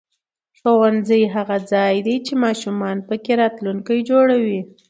ښوونځی هغه ځای دی چې ماشومان پکې راتلونکی جوړوي